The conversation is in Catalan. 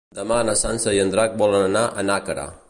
Demà na Sança i en Drac volen anar a Nàquera.